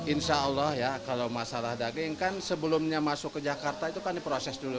insya allah ya kalau masalah daging kan sebelumnya masuk ke jakarta itu kan diproses dulu